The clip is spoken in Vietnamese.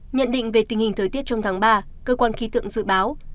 nhận định về tình hình thời tiết trong tháng ba cơ quan khí tượng dự báo